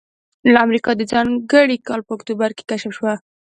امریکا د ځانګړي کال په اکتوبر کې کشف شوه.